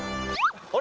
あれ？